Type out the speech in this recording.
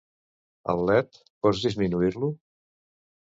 El led, pots disminuir-lo?